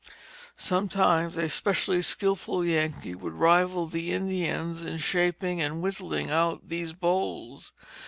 Sometimes a specially skilful Yankee would rival the Indians in shaping and whittling out these bowls.